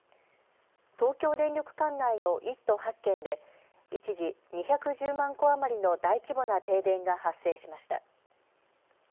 東京電力管内の１都８県で一時、２１０万戸余りの大規模な停電が発生しました。